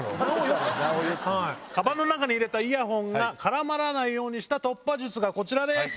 カバンの中に入れたイヤホンが絡まらないようにした突破術がこちらです。